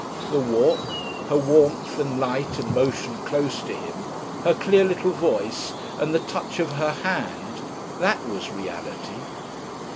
The walk, her warmth and light and motion close to him, her clear little voice, and the touch of her hand; that was reality.